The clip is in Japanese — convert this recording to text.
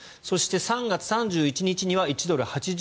そして、３月３１日には１ドル＝８１